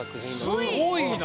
すごいな！